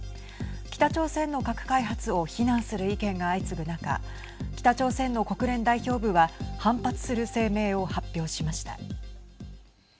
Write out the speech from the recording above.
北朝鮮の核開発を非難する意見が相次ぐ中北朝鮮の国連代表部は反発する声明を発表しました。